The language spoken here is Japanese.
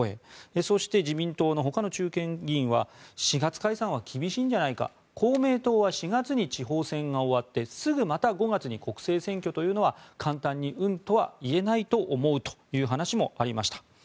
そして、自民党のほかの中堅議員は４月解散は厳しいんじゃないか公明党は４月に地方選が終わってすぐまた５月に国政選挙というのは簡単にうんとは言えないと思うという話もありました。